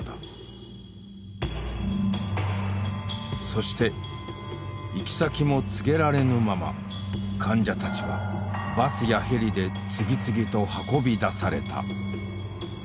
そして行き先も告げられぬまま患者たちはバスやヘリで次々と運び出された。